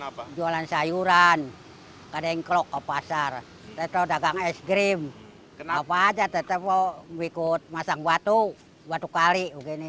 apa jualan sayuran kering klok pasar tetap dagang es krim kenapa aja tetep mau ikut masang batu batu kali